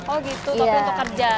oh gitu tapi untuk kerja